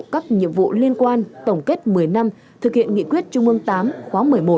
các nhiệm vụ liên quan tổng kết một mươi năm thực hiện nghị quyết trung ương viii khóa một mươi một